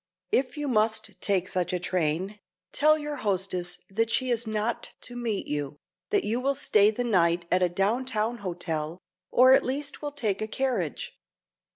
If you must take such a train, tell your hostess she is not to meet you, that you will stay the night at a down town hotel or at least will take a carriage.